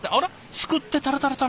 すくってタラタラタラ。